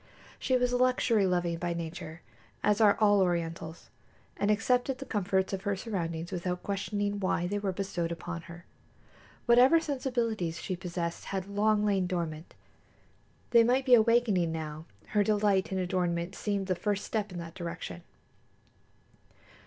She was luxury loving by nature, as are all Orientals, and accepted the comforts of her surroundings without questioning why they were bestowed upon her. Whatever sensibilities she possessed had long lain dormant. They might be awakening now; her delight in adornment seemed the first step in that direction.